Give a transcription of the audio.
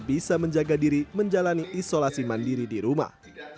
bisa menjaga diri menjalani isolasi mandiri di rumah